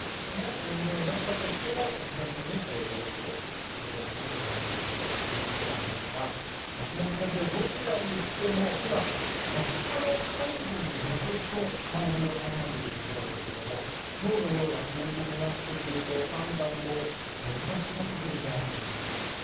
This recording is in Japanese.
宣言を出したとしても、２０００人を超えていくという予測になっているということなんですが、松本先生、どちらにしても今、２０日の解除に向けて、いろいろ考えているところですけれども、きょうのような数字になってくると、判断も難しくなってくるんじゃないでしょうか。